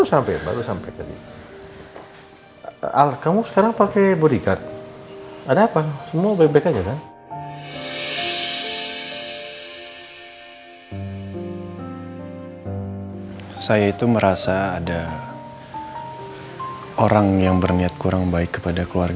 sampai jumpa di video selanjutnya